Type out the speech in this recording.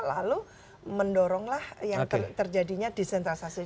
lalu mendoronglah yang terjadinya desentralisasi